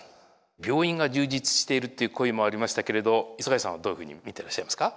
病院が充実しているっていう声もありましたけれど磯貝さんはどういうふうに見ていらっしゃいますか？